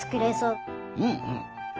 うんうん。